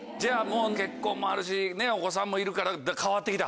結婚もあるしお子さんもいるから変わって来た？